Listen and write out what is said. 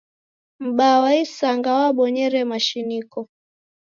M'baa wa isanga wabonyere mashiniko.